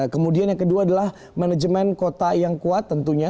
kemudian yang kedua adalah manajemen kota yang kuat tentunya